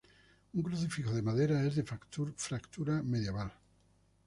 Un crucifijo de madera es de factura medieval.